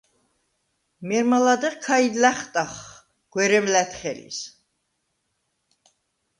მერმა ლადეღ ქაიდ ლა̈ხტა̈ხხ გვერემ ლა̈თხელის.